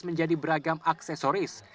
menjadi beragam aksesoris